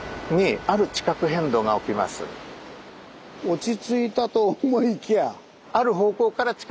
落ち着いたと思いきや。